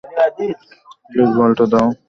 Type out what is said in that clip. Please, বলটা দাও।